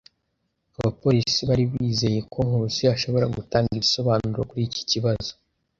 Abapolisi bari bizeye ko Nkusi ashobora gutanga ibisobanuro kuri iki kibazo.